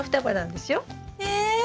え？